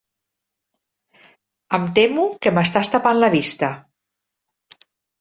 Em temo que m'estàs tapant la vista.